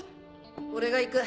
俺が行く。